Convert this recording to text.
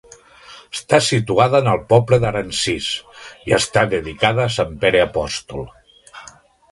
Està situada en el poble d'Aransís, i està dedicada a Sant Pere apòstol.